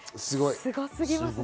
すご過ぎますね。